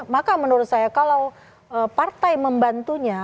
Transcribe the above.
maka menurut saya kalau partai membantunya